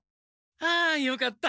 あよかった！